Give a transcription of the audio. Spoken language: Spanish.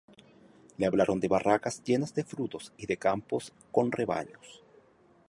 Le hablaron de barracas llenas de frutos y de campos con rebaños.